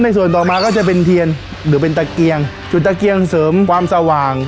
ส่วนต่อมาก็จะเป็นเทียนหรือเป็นตะเกียงจุดตะเกียงเสริมความสว่าง